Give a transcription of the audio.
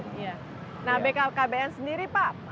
nah bkkbn sendiri pak